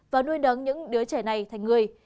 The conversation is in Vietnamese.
và nuôi nắng những đứa trẻ này thành người